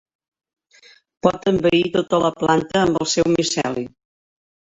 Pot envair tota la planta amb el seu miceli.